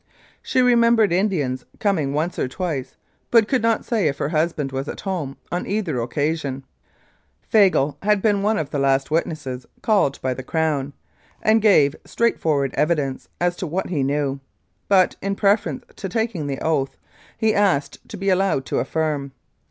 She remembered Indians coming once or twice, but could not say if her husband was at home on either occasion. Fagle had been one of the last witnesses called by the Crown, and gave straightforward evidence as to what he knew, but in preference to taking the oath he asked to be allowed to affirm.